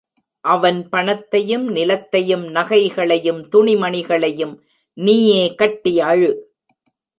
அவன் பணத்தையும், நிலத்தையும், நகைகளையும், துணிமணிகளையும் நீயே கட்டி அழு.